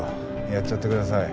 やっちゃってください。